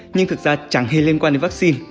nhưng thực ra chẳng hề liên quan đến vắc xin